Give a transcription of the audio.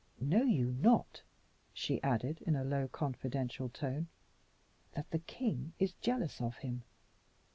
Know you not," she added, in a low confidential tone, "that the king is jealous of him?